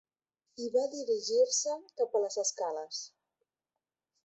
I va dirigir-se cap a les escales.